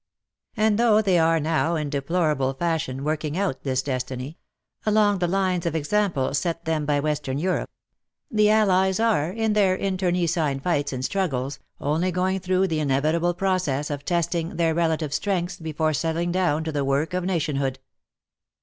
" And though they are now, in deplorable fashion, working out this destiny — along the lines of example set them by Western Europe — the Allies are, in their internecine fights and struggles, only going through the inevitable pro cess of testing their relative strengths before settling down to the work of nationhood.